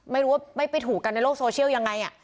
ไม่รู้ว่าไม่ไปถูกกันในโลกโซเชียลยังไง